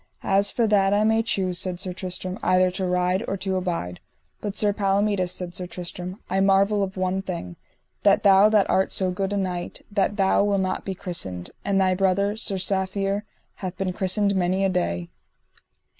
As for that I may choose, said Sir Tristram, either to ride or to abide. But Sir Palomides, said Sir Tristram, I marvel of one thing, that thou that art so good a knight, that thou wilt not be christened, and thy brother, Sir Safere, hath been christened many a day.